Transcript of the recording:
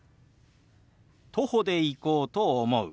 徒歩で行こうと思う。